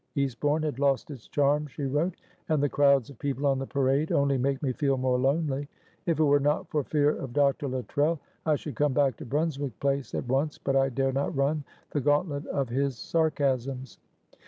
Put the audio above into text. "Eastbourne has lost its charms," she wrote, "and the crowds of people on the Parade only make me feel more lonely. If it were not for fear of Dr. Luttrell, I should come back to Brunswick Place at once, but I dare not run the gauntlet of his sarcasms.